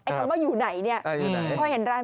ไอ้คนว่าอยู่ไหน